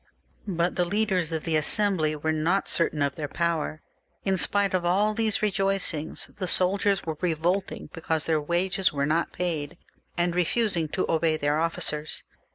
But the leaders of the Assembly were not certain of their power in spite of all these rejoicings; the soldiers were revolting because their wages were not paid, and re fusing to obey their ofi&cers.